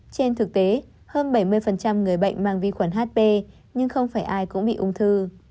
trên thực tế hơn bảy mươi người bệnh mang vi khuẩn hp nhưng không phải ai cũng bị ung thư